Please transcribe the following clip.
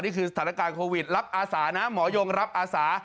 นี่คือสถานการณ์โควิดรับอาสานะหมอยงรับอาสา